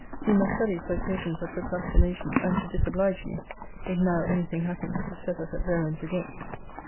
He must study for occasions of procrastination, and to disoblige me, if now any thing happens to set us at variance again.